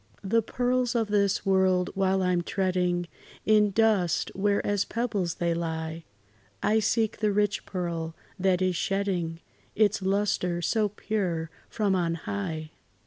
The pearls of this world while I 'm treading In dust, where as pebbles they lie, I seek the rich pearl, that is shedding Its lustre so pure from on high.